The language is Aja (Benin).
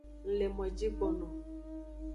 Ng le moji gbono.